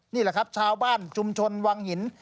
นี่แหละครับชาวบ้านชุมชนวังหิน